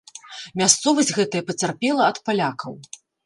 Мясцовасць гэтая пацярпела ад палякаў.